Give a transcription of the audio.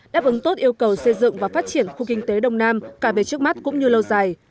đáp ứng tốt yêu cầu xây dựng và phát triển khu kinh tế đông nam cả về trước mắt cũng như lâu dài